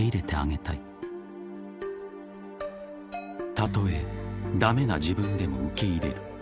［たとえ駄目な自分でも受け入れる］